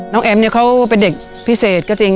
แอมเนี่ยเขาเป็นเด็กพิเศษก็จริง